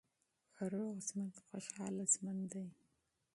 روغ ژوند خوشاله ژوند دی.